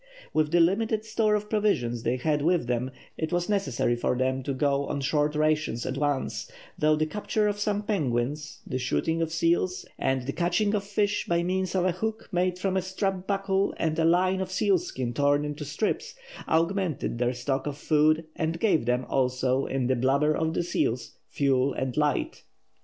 With the limited store of provisions they had with them it was necessary to go on short rations at once, though the capture of some penguins, the shooting of seals, and the catching of fish by means of a hook made from a strap buckle and a line of sealskin torn into strips, augmented their stock of food and gave them, also, in the blubber of the seals, fuel and light.